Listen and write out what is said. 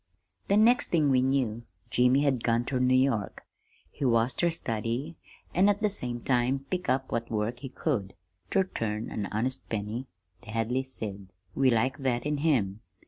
"The next thing we knew Jimmy had gone ter New York. He was ter study, an' at the same time pick up what work he could, ter turn an honest penny, the Hadleys said. We liked that in him.